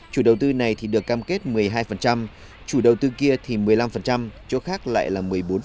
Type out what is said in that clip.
chủ đầu tư này thì được cam kết một mươi hai chủ đầu tư kia thì một mươi năm chỗ khác lại là một mươi bốn